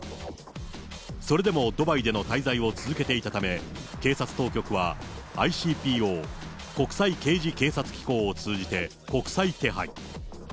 それでもドバイでの滞在を続けていたため、警察当局はＩＣＰＯ・国際刑事警察機構を通じて、国際手配。